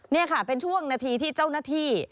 นี่ค่ะเป็นช่วงนาทีที่เจ้าหน้าที่